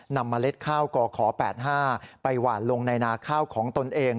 เมล็ดข้าวกข๘๕ไปหวานลงในนาข้าวของตนเอง